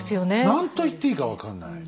何と言っていいか分かんない。